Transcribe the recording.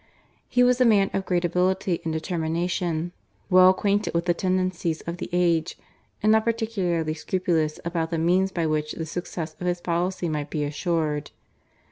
He was a man of great ability and determination, well acquainted with the tendencies of the age, and not particularly scrupulous about the means by which the success of his policy might be assured.